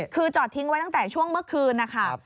คือจอดทิ้งไว้ตั้งแต่ช่วงเมื่อคืนนะคะ